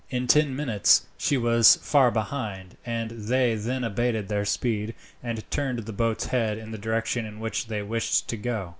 In ten minutes she was far behind, and they then abated their speed, and turned the boat's head in the direction in which they wished to go.